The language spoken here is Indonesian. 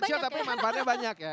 kecil tapi manfaatnya banyak ya